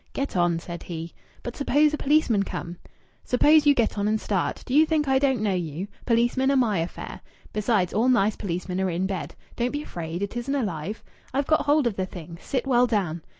"Get on," said he. "But suppose a policeman comes?" "Suppose you get on and start! Do you think I don't know you? Policemen are my affair. Besides, all nice policemen are in bed.... Don't be afraid. It isn't alive. I've got hold of the thing. Sit well down.